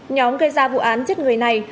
nhóm gây ra vụ án giết người này